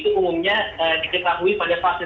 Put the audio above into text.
itu umumnya diterahui pada fase tiga